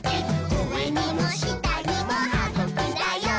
うえにもしたにもはぐきだよ！」